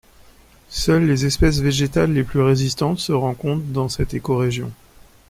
Seules les espèces végétales les plus résistantes se rencontrent dans cette écorégion.